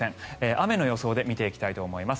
雨の予想で見ていきたいと思います。